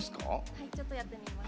はいちょっとやってみます。